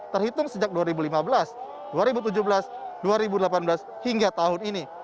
terhitung sejak dua ribu lima belas dua ribu tujuh belas dua ribu delapan belas hingga tahun ini